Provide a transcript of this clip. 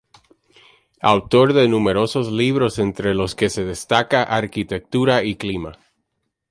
Autor de numerosos libros, entre los que destaca "Arquitectura y Clima.